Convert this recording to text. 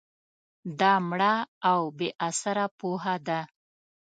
دا مړه او بې اثره پوهه ده